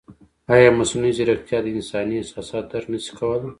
ایا مصنوعي ځیرکتیا د انساني احساساتو درک نه شي کولی؟